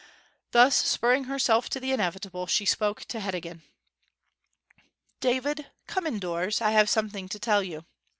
Thus spurring herself to the inevitable, she spoke to Heddegan. 'David, come indoors. I have something to tell you.'